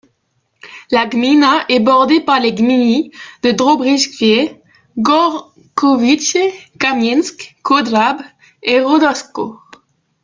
La gmina est bordée par les gminy de Dobryszyce, Gorzkowice, Kamieńsk, Kodrąb et Radomsko.